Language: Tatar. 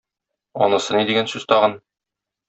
Анысы ни дигән сүз тагын?